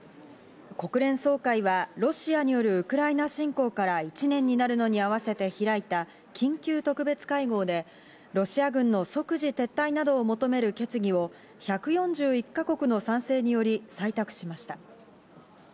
国連総会はロシアによるウクライナ侵攻から１年になるのに合わせて開いた緊急特別会合で、ロシア軍の即時撤退などを求める決議を１４１か国の賛成により採択しました。